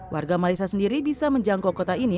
warga malaysia sendiri bisa menjangkau kota ini